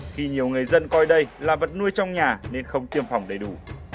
khi nhiều người dân coi đây là vật nuôi trong nhà nên không tiêm phòng đầy đủ